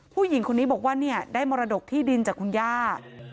ผู้หญิงคนนี้บอกว่าได้มรดกที่ดินจากคุณย่า